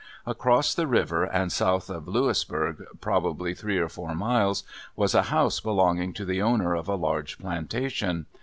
Across the river and south of Louisburg, probably three or four miles, was a house belonging to the owner of a large plantation.